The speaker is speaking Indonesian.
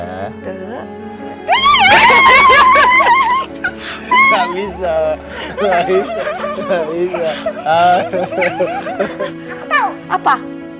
aku tahu apa